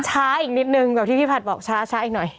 ช้าอีกนิดนึงแบบที่พี่ผัดบอกช้าอีกหน่อย